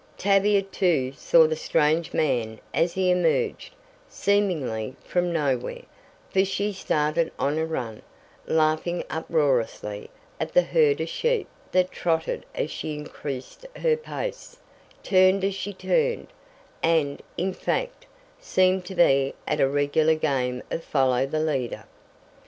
Tavia, too, saw the strange man as he emerged, seemingly, from nowhere, for she started on a run, laughing uproariously at the herd of sheep that trotted as she increased her pace, turned as she turned, and, in fact, seemed to be at a regular game of "follow the leader."